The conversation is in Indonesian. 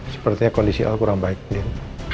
sepertinya kondisi al kurang baik